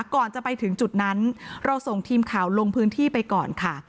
ก่อนจะไปถึงจุดนั้นเราส่งทีมข่าวลงพื้นที่ไปก่อนค่ะ